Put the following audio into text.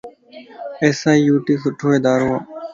ايس. آئي. يو. ٽي سھڻو ادارو وَ.